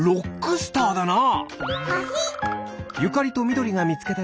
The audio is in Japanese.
スターだなあ！